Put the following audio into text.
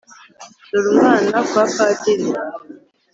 dore umwana kwa padiri